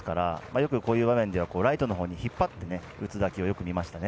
よくこういう場面ではライトのほうに引っ張って打つ打球をよく見ますね。